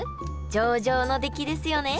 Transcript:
上々の出来ですよね！